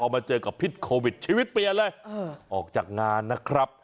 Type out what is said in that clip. พอมาเจอกับชีวิตเปลี่ยนเลยเออออกจากงานนะครับ